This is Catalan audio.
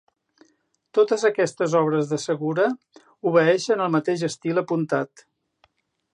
Totes aquestes obres de Segura obeeixen al mateix estil apuntat.